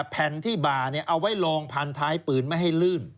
แผ่นที่บ่าเอาไว้ลองพันท้ายปืนไม่ให้ลื่น